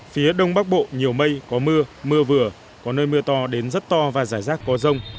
phía đông bắc bộ nhiều mây có mưa mưa vừa có nơi mưa to đến rất to và rải rác có rông